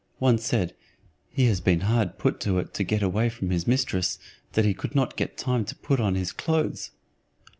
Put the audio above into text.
One said, "He has been hard put to it to get away from his mistress, that he could not get time to put on his clothes."